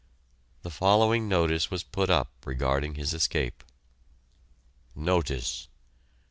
The following notice was put up regarding his escape: NOTICE!